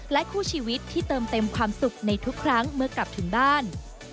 คู่ชีวิตที่เติมเต็มความสุขในทุกครั้งเมื่อกลับถึงบ้าน